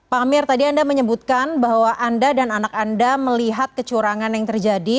pak amir tadi anda menyebutkan bahwa anda dan anak anda melihat kecurangan yang terjadi